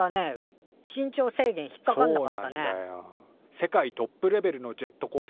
世界トップレベルのジェットコースターによ